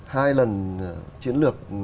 hai lần chiến lược